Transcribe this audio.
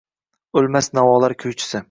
Oʻlmas navolar kuychisi